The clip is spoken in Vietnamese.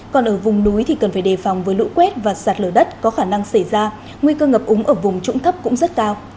còn ở vùng núi thì cần phải đề phòng với lũ quét và sạt lở đất có khả năng xảy ra nguy cơ ngập úng ở vùng trũng thấp cũng rất cao